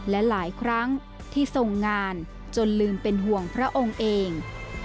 และหลายครั้งที่ทรงงานจนลืมเป็นห่วงพระองค์เอง